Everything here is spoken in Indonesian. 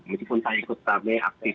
meskipun saya ikut rame aktif